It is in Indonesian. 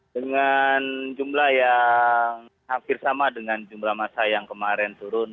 dengan jumlah yang hampir sama dengan jumlah masa yang kemarin turun